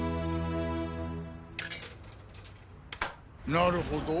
なるほど。